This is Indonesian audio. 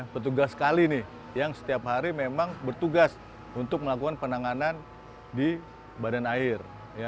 petugas kali ini yang setiap hari memang bertugas untuk melakukan penanganan di badan air